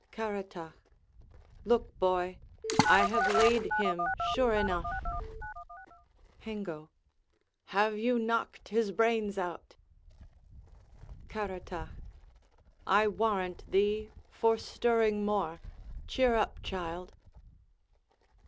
Caratach Look, boy; I have laid him sure enough. Hengo Have you knocked his brains out? Caratach I warrant thee, for stirring more: cheer up, child.